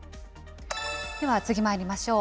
では次まいりましょう。